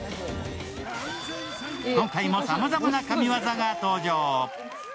今回もさまざまな神業が登場。